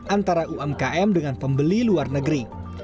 antara umkm dengan pembeli luar negeri